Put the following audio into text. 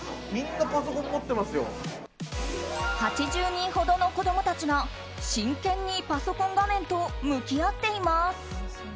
８０人ほどの子供たちが真剣にパソコン画面と向き合っています。